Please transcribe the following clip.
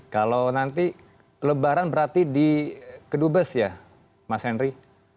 berarti lebaran berarti di kedubes ya mas henry